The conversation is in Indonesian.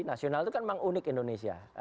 nasional itu kan memang unik indonesia